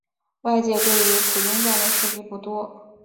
外界对于朴英赞的事迹不多。